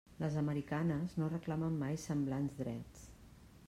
Les americanes no reclamen mai semblants drets.